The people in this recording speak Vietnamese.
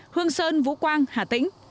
hương sơn vũ quang hà tĩnh